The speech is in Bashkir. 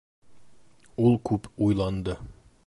Ул күп уйланды.